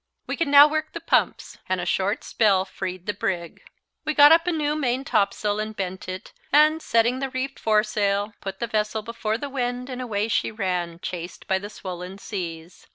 We could now work the pumps, and a short spell freed the brig. We got up a new main topsail and bent it, and, setting the reefed foresail, put the vessel before the wind, and away she ran, chased by the swollen seas.